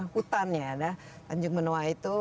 hutan ya ada tanjung benoa itu